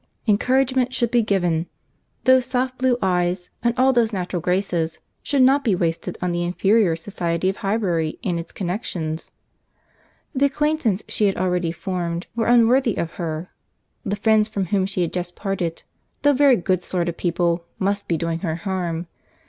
Encouragement should be given. Those soft blue eyes, and all those natural graces, should not be wasted on the inferior society of Highbury and its connexions. The acquaintance she had already formed were unworthy of her. The friends from whom she had just parted, though very good sort of people, must be doing her harm.